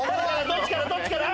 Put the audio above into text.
どっちから？